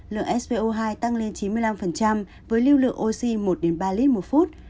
lượng sco hai tăng lên chín mươi năm với lưu lượng oxy một ba lít một phút